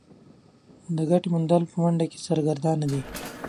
د ګټې موندلو په منډه کې سرګردانه دي.